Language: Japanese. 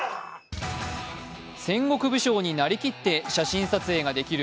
戦国武将になりきって写真撮影ができる